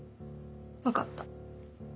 分かった。